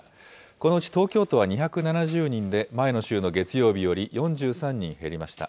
このうち東京都は２７０人で、前の週の月曜日より４３人減りました。